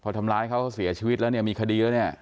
พอทำร้ายเขาเขาเสียชีวิตแล้วเนี่ยมีคดีแล้วเนี่ย